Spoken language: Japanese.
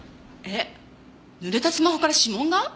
えっ濡れたスマホから指紋が？